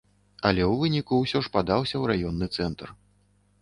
Але ў выніку ўсё ж падаўся ў раённы цэнтр.